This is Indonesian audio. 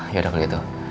yaudah kalau gitu